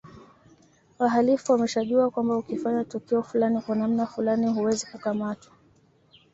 Wahalifu wameshajua kwamba ukifanya tukio fulani kwa namna fulani huwezi kukamatwa